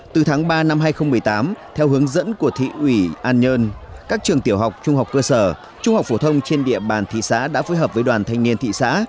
từ tháng ba năm hai nghìn một mươi tám theo hướng dẫn của thị ủy an nhơn các trường tiểu học trung học cơ sở trung học phổ thông trên địa bàn thị xã đã phối hợp với đoàn thanh niên thị xã